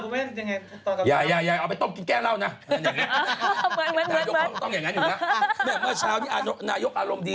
พอเรามอบสันจรในระหว่างที่